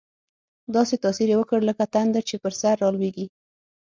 داسې تاثیر یې وکړ، لکه تندر چې پر سر راولوېږي.